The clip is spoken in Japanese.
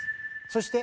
そして。